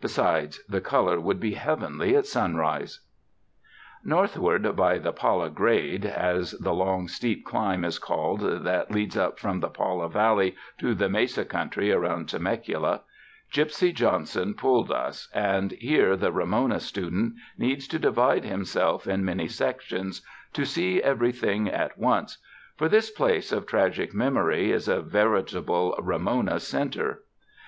Besides, the color would be heavenly at sunrise." Northward by the "Pala grade," as the long, steeit climb is called that leads up from the Pala valley to the mesa country around Temecula, Gypsy Johnson pulled us, and here the "Ramona" student needs to divide himself in many sections to see everything at once, for this place of tragic memory is a veritable "Ramona" center.